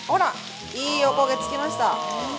いいおこげ、つきました。